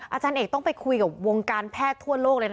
อาจารย์เอกต้องไปคุยกับวงการแพทย์ทั่วโลกเลยนะ